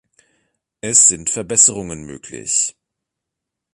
Es sind Verbesserungen möglich.